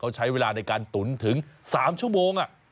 เขาใช้เวลาในการตุ๋นถึง๓ชั่วโมง